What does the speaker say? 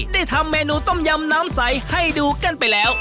ได้ทำเมนูต้มยำน้ำใสให้ดูกันไปแล้ว